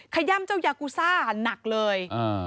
ขย่ำเจ้ายากูซ่าหนักเลย